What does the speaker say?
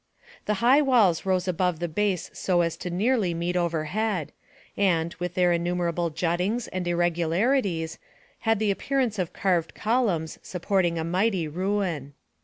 The high walls rose above the base so as to nearly meet overhead, and, with their innumerable juttings and irregularities, had the appearance of carved col umns supporting a mighty ruin.